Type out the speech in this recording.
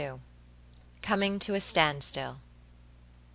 COMING TO A STANDSTILL.